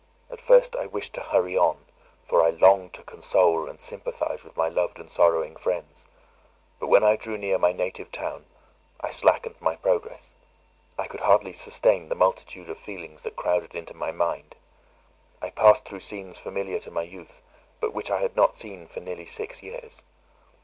At first I wished to hurry on, for I longed to console and sympathise with my loved and sorrowing friends; but when I drew near my native town, I slackened my progress. I could hardly sustain the multitude of feelings that crowded into my mind. I passed through scenes familiar to my youth, but which I had not seen for nearly six years.